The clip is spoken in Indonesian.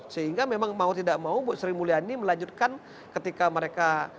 sehingga memang mau tidak mau bu sri mulyani melanjutkan ketika mereka